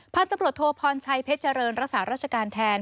พันธุ์ตำรวจโทพรชัยเพชรเจริญรักษาราชการแทน